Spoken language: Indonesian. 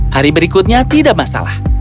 hari berikutnya tidak masalah